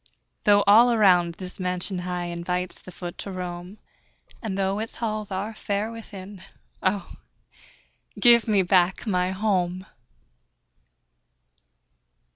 Though all around this mansion high Invites the foot to roam, And though its halls are fair within Oh, give me back my HOME!